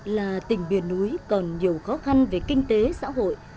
là tỉnh biển núi còn nhiều khó khăn về kinh tế xã hội